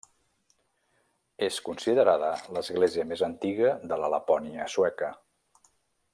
És considerada l'església més antiga de la Lapònia sueca.